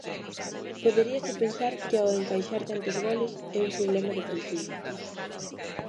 Poderíase pensar que ao encaixar tantos goles, é un problema defensivo.